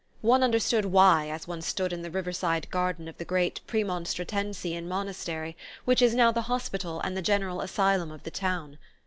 One understood why as one stood in the riverside garden of the great Premonstratensian Monastery which is now the hospital and the general asylum of the town.